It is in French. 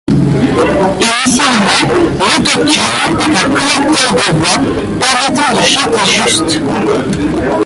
Initialement, l'Auto-Tune est un correcteur de voix permettant de chanter juste.